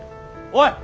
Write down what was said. おい！